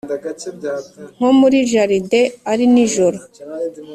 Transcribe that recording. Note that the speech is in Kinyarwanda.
nko muri jardin, ari nijoro